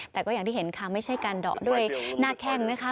แต่ก็อย่างที่เห็นค่ะไม่ใช่การเดาะด้วยหน้าแข้งนะคะ